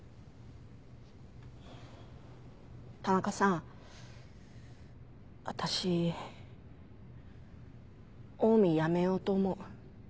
田中さん私オウミ辞めようと思う。